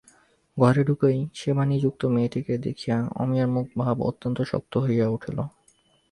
ঘর ঢুকেই সেবানিযুক্ত মেয়েটিকে দেখেই অমিয়ার মুখের ভাব অত্যন্ত শক্ত হয়ে উঠল।